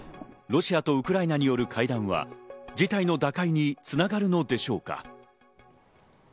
ロシアとウクライナによる会談は事態の打開に繋がるのでしょうか？